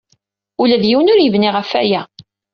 Ula d yiwen ur yebni ɣef waya.